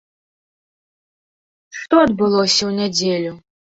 Што адбылося ў нядзелю?